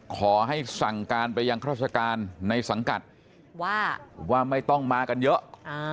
ขอให้สั่งการไปยังราชการในสังกัดว่าไม่ต้องมากันเยอะ